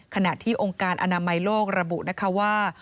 ขณะที่องค์การอนามัยโลกระบุนะคะว่า